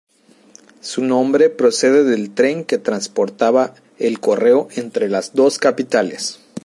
Su nombre procede del tren que transportaba el correo entre las dos capitales.